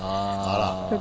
あら。